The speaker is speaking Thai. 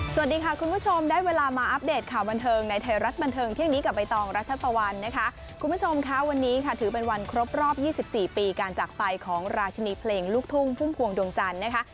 สวัสดีค่ะคุณผู้ชมได้เวลามาอัปเดตข่าวบันเทิงในไทยรัฐบันเทิงเที่ยงนี้กับใบตองรัชตะวันนะคะคุณผู้ชมค่ะวันนี้ค่ะถือเป็นวันครบรอบ๒๔ปีการจากไปของราชินีเพลงลูกทุ่งพุ่มพวงดวงจันทร์นะคะ